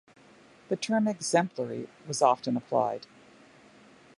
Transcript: The term "exemplary" was often applied.